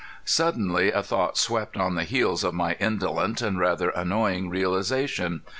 Suddenly a thought swept on the heels of my indolent and rather annoying realization.